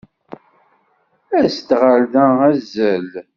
As-d ɣer da, azzel.